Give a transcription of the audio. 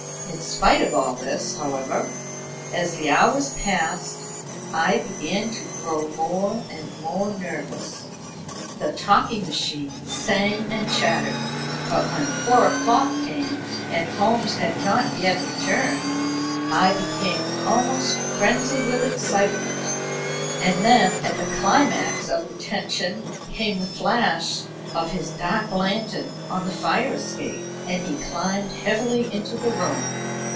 In spite of all this, however, as the hours passed I began to grow more and more nervous. The talking machine sang and chattered, but when four o'clock came and Holmes had not yet returned, I became almost frenzied with excitement and then at the climax of the tension came the flash of his dark lantern on the fire escape, and he climbed heavily into the room.